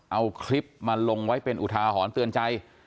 เอาคลิปมาลงไว้เป็นอุทาหรณ์เตือนใจ